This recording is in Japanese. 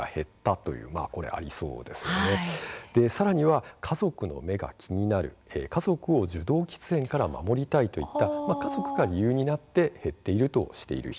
次いでは家族の目が気になる家族を受動喫煙から守りたいと家族が理由となって減っているという人。